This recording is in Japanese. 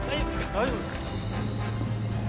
大丈夫？